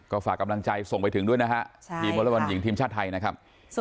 ก็ฝากกำลังใจส่งไปถึงด้วยนะฮะใช่ครับทีมมดรมนหญิงทีมชาติไทยนะครับ